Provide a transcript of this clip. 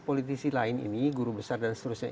politisi lain ini guru besar dan seterusnya